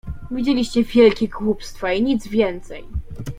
"Widzieliście wielkie głupstwa i nic więcej."